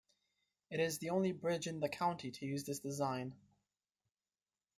It is the only bridge in the county to use this design.